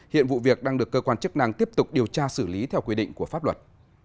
hiện vụ việc đang được cơ quan chức năng tiếp tục điều tra xử lý theo quy định của pháp luật